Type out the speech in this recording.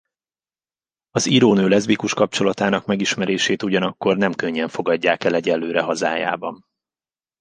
Az írónő leszbikus kapcsolatának megismerését ugyanakkor nem könnyen fogadják el egyelőre hazájában.